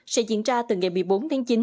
sẽ diễn ra từ ngày một mươi bốn tháng chín